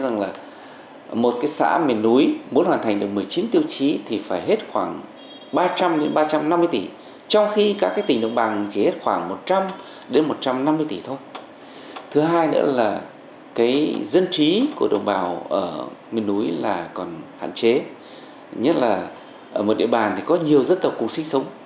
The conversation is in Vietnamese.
nhiều tiêu chí của đồng bào ở miền núi là còn hạn chế nhất là ở một địa bàn thì có nhiều dân tộc cùng sinh sống